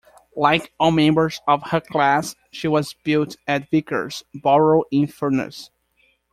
Like all members of her class, she was built at Vickers Barrow-in-Furness.